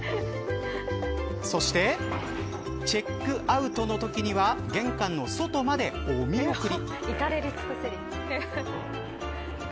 そしてチェックアウトのときには玄関の外までお見送り。